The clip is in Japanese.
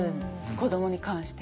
子どもに関して。